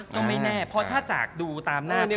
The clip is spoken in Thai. ก็ไม่แน่เพราะถ้าจากดูตามหน้าเนี่ย